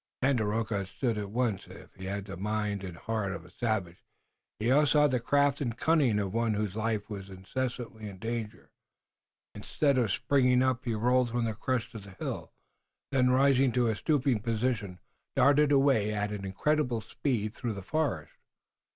Tandakora understood at once. If he had the mind and heart of a savage he had also all the craft and cunning of one whose life was incessantly in danger. Instead of springing up, he rolled from the crest of the hill, then, rising to a stooping position, darted away at incredible speed through the forest.